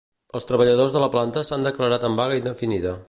Els treballadors de la planta s'han declarat en vaga indefinida.